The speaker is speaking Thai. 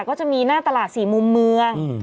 ก็จะมีหน้าตลาด๔มุมเมือง